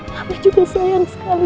mama juga sayang sekali